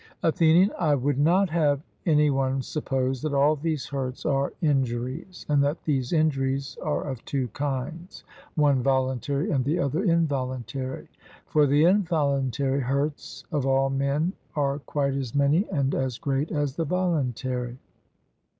ATHENIAN: I would not have any one suppose that all these hurts are injuries, and that these injuries are of two kinds one, voluntary, and the other, involuntary; for the involuntary hurts of all men are quite as many and as great as the voluntary.